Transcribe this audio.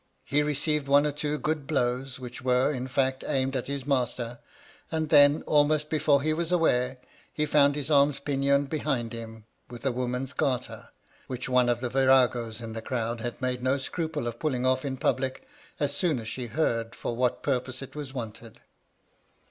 He received one or two good blows, which were, in fact, aimed at his master ; and then, almost before he was aware, he found his arms pinioned behind him with a woman's garter, which one of the viragos in the crowd had made no scruple of pulling off in public, as soon as she heard for what purpose it was wanted.